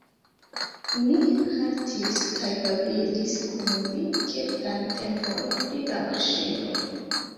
Mi haltis kaj babilis kun li kelkan tempon pri la maŝino.